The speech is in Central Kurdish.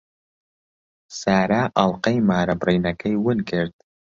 سارا ئەڵقەی مارەبڕینەکەی ون کرد.